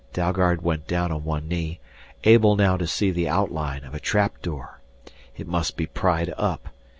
Dalgard went down on one knee, able now to see the outline of a trap door. It must be pried up.